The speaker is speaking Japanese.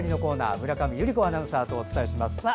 村上由利子アナウンサーとお伝えします。